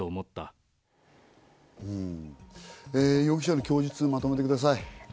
容疑者の供述をまとめてください。